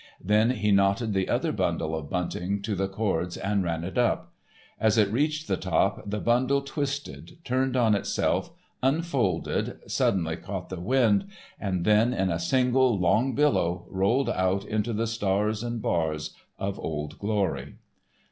Then he knotted the other bundle of bunting to the cords and ran it up. As it reached the top, the bundle twisted, turned on itself, unfolded, suddenly caught the wind, and then, in a single, long billow, rolled out into the stars and bars of Old Glory.